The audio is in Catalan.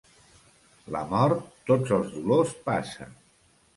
La mort tots els dolors passa.